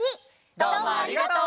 どうもありがとう。